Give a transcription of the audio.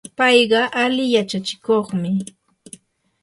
payqa ali yachachikuqmi.